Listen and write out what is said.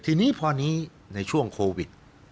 ทีนี้พอนี้ในช่วงโควิด